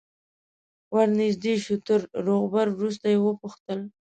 ور نژدې شو تر روغبړ وروسته یې وپوښتل.